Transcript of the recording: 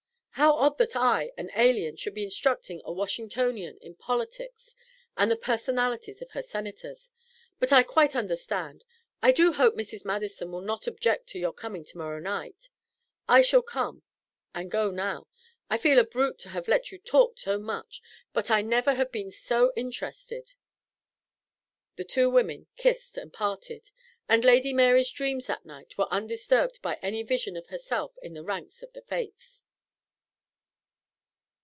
How odd that I, an alien, should be instructing a Washingtonian in politics and the personalities of her Senators; but I quite understand. I do hope Mrs. Madison will not object to your coming to morrow night." "I shall come. And go now. I feel a brute to have let you talk so much, but I never have been so interested!" The two women kissed and parted; and Lady Mary's dreams that night were undisturbed by any vision of herself in the ranks of the Fates.